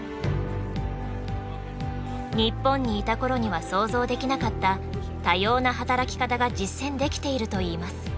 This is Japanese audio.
日本にいた頃には想像できなかった多様な働き方が実践できているといいます。